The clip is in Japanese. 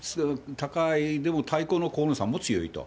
高い、でも対抗の河野さんも強いと。